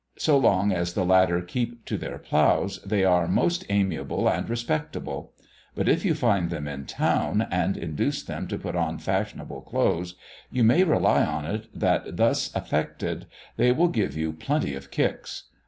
So long as the latter keep to their ploughs, they are most amiable and respectable; but if you find them in town, and induce them to put on fashionable clothes, you may rely on it that thus affected they will give you plenty of kicks.